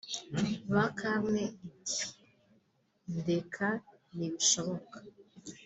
Bakarne iti “Ndeka ntibishoboka